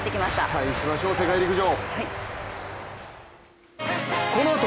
期待しましょう、世界陸上。